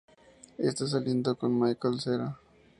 Está saliendo con Michael Cera.